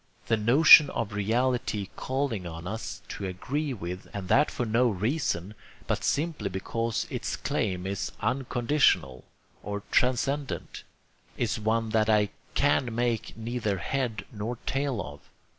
The notion of a reality calling on us to 'agree' with it, and that for no reasons, but simply because its claim is 'unconditional' or 'transcendent,' is one that I can make neither head nor tail of.